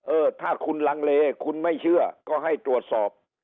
เออถ้าคุณลังเลคุณไม่เชื่อก็ให้ตรวจสอบ